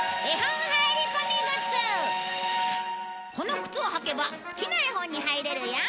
この靴を履けば好きな絵本に入れるよ！